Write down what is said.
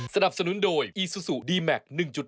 ไปเลย